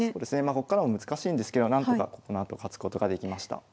こっからは難しいんですけどなんとかこのあと勝つことができました。